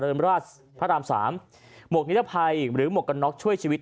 ราชพระรามสามหมวกนิรภัยหรือหมวกกันน็อกช่วยชีวิต